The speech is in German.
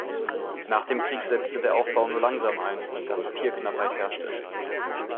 Nach dem Krieg setzte der Aufbau nur langsam ein, da Papierknappheit herrschte.